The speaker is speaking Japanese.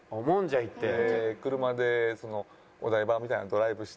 で車でお台場みたいなドライブして。